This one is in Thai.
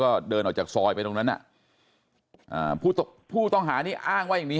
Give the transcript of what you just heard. ก็เดินออกจากซอยไปตรงนั้นนะผู้ต้องหานี่อ้างไว้อย่างนี้